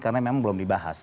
karena memang belum dibahas